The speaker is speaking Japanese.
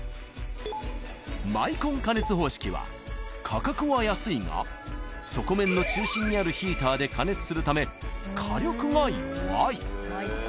［価格は安いが底面の中心にあるヒーターで加熱するため火力が弱い］